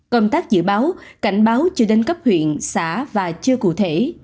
công tác dự báo cảnh báo chưa đến cấp huyện xã và chưa cụ thể